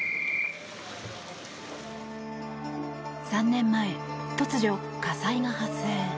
３年前、突如火災が発生。